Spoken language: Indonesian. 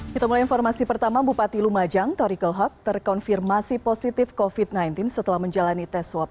kita mulai informasi pertama bupati lumajang tori kelhut terkonfirmasi positif covid sembilan belas setelah menjalani tes swab